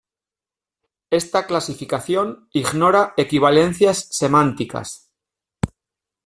Esta clasificación ignora equivalencias semánticas.